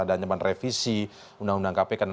ada ancaman revisi undang undang kpk